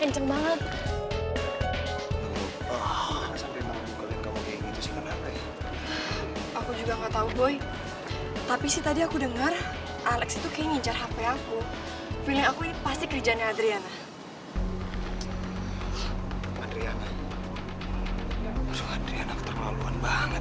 sampai jumpa di video selanjutnya